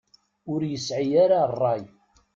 Ur yesɛi ara ṛṛay.